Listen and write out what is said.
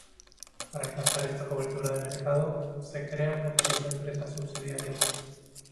Para alcanzar esta cobertura de mercado, se crean multitud de empresas subsidiarias.